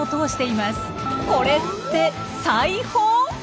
これって裁縫！？